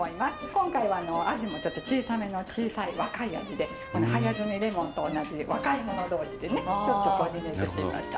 今回はアジも小さめの小さい若いアジで早摘みレモンと同じ若い者同士でねちょっとコーディネートしてみました。